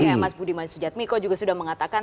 kayak mas budi masyujatmiko juga sudah mengatakan